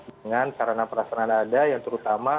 dengan sarana perasaan ada yang terutama